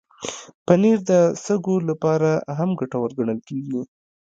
پنېر د سږو لپاره هم ګټور ګڼل شوی.